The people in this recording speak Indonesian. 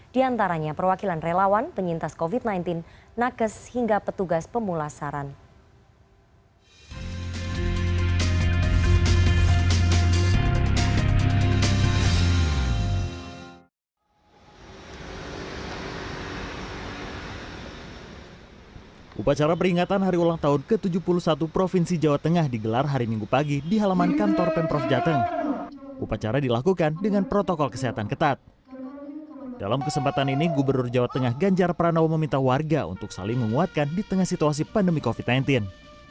di antaranya perwakilan relawan penyintas covid sembilan belas nakes hingga petugas pemulasaran